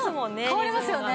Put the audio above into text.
変わりますよね。